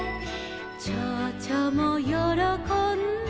「ちょうちょもよろこんで」